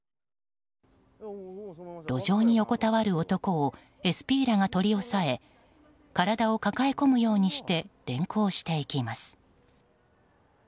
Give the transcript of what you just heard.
路上に横たわる男をＳＰらが取り押さえ体を抱え込むようにして連行していきます。